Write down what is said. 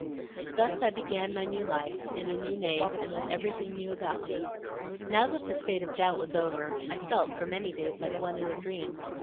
Thus I began my new life, in a new name, and with everything new about me. Now that the state of doubt was over, I felt, for many days, like one in a dream.